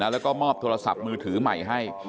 แล้วก็มอบโทรศัพท์มือถือใหม่ให้